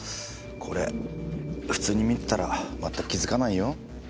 これ普通に見てたらまったく気づかないよ。